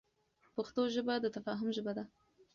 پښتو ژبه د تفاهم ژبه ده.